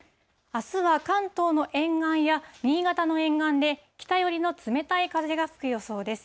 あすは関東の沿岸や、新潟の沿岸で、北寄りの冷たい風が吹く予想です。